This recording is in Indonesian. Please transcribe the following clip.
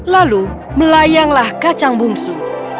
lalu melayanglah kacang bungsu